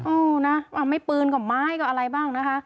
เออนะไม่ปืนก็ไม้ก็อะไรบ้างนะคะ